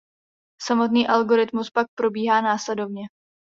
Samotný algoritmus pak probíhá následovně.